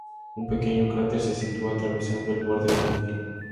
Un pequeño cráter se sitúa atravesando el borde oriental.